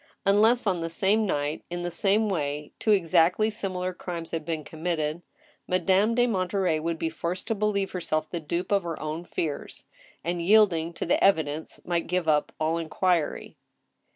Unless on the same night, in the same way, two exactly similar crimes had been committed, Madame de Monterey would be forced to believe herself the dupe of her own fears, and, yielding to the evi dence, might give up all inquiry.